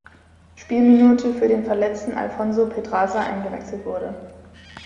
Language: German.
Spielminute für den verletzten Alfonso Pedraza eingewechselt wurde.